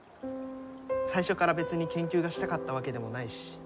最初から別に研究がしたかったわけでもないし。